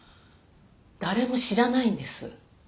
誰も知らないんです。